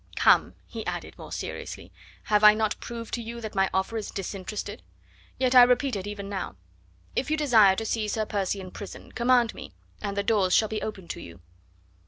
Come!" he added more seriously, "have I not proved to you that my offer is disinterested? Yet I repeat it even now. If you desire to see Sir Percy in prison, command me, and the doors shall be open to you."